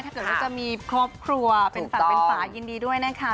ถ้าเกิดว่าจะมีครอบครัวเป็นสัตว์เป็นป่ายินดีด้วยนะคะ